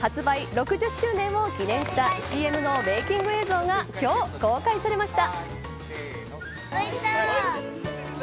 ６０周年を記念したＣＭのメイキング映像が今日、公開されました。